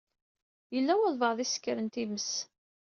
Yella walebɛaḍ i isekren times.